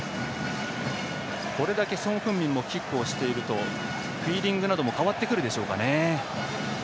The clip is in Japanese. これだけソン・フンミンもキックをしているとフィーリングなども変わってくるでしょうか。